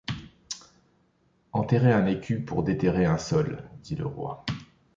Enterrer un écu pour déterrer un sol! dit le roi.